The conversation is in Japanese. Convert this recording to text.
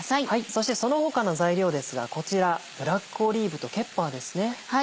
そしてその他の材料ですがこちらブラックオリーブとケッパーです。